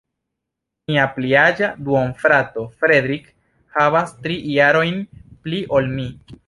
Mia pliaĝa duonfrato, Fredrik, havas tri jarojn pli ol mi.